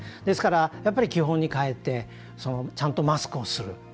ですから、基本にかえってちゃんとマスクをする。